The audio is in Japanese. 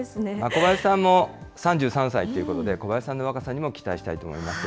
小林さんも３３歳ということで、小林さんの若さにも期待したいと思います。